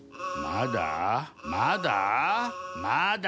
まだ？まだ？」